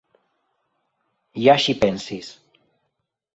Ja ŝi pensis!